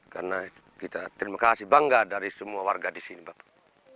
karena kita terima kasih bangga dari semua warga di sini bapak